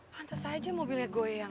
pantes aja mobilnya gue yang